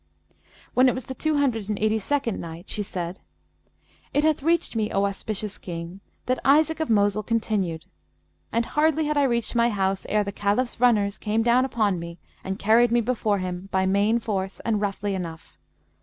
When it was the Two Hundred and Eighty second Night, She said, It hath reached me, O auspicious King, that Isaac of Mosul continued, "And hardly had I reached my house ere the Caliph's runners came down upon me and carried me before him by main force and roughly enough.